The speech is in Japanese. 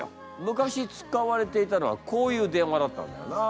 昔使われていたのはこういう電話だったんだよな。